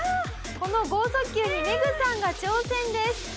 この豪速球にメグさんが挑戦です。え？